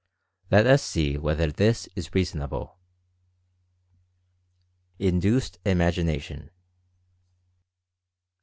Let us see whether this is reasonable. INDUCED IMAGINATION.